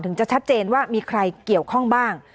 จะชัดเจนว่ามีใครเกี่ยวข้องบ้าง